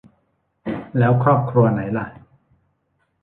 แล้วครอบครัวไหนล่ะ